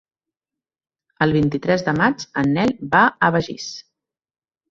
El vint-i-tres de maig en Nel va a Begís.